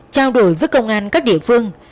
trao đổi với công an các địa phương